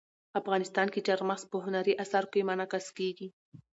افغانستان کې چار مغز په هنري اثارو کې منعکس کېږي.